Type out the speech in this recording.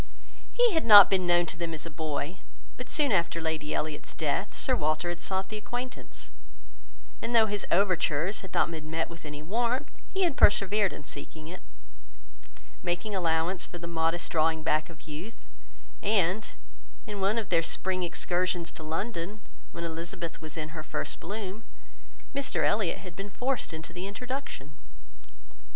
He had not been known to them as a boy; but soon after Lady Elliot's death, Sir Walter had sought the acquaintance, and though his overtures had not been met with any warmth, he had persevered in seeking it, making allowance for the modest drawing back of youth; and, in one of their spring excursions to London, when Elizabeth was in her first bloom, Mr Elliot had been forced into the introduction.